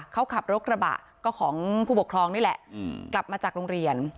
เขาขับรถกระบะก็ของผู้ปกครองนี่แหละกลับมาจากโรงเรียน